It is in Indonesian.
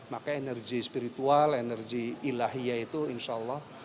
maka energi spiritual energi ilahiyah itu insya allah